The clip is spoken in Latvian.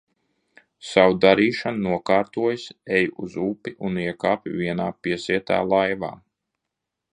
Savu darīšanu nokārtojis, eju uz upi un iekāpju vienā piesietā laivā.